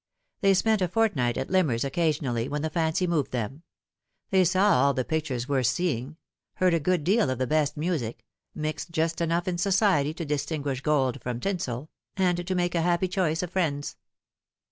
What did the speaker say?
They spent a fortnight at Limmers occa sionally, when the fancy moved them. They saw all the pictures worth seeing, heard a good deal of the best music, mixed just enough in society to distinguish gold from tinsel, and to make a happy choice of friends.